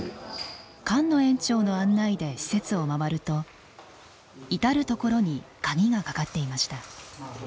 菅野園長の案内で施設をまわると至る所に鍵がかかっていました。